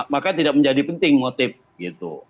maka tidak menjadi penting motif gitu